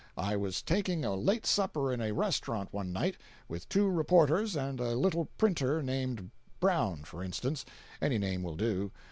I was taking a late supper in a restaurant one night, with two reporters and a little printer named—Brown, for instance—any name will do.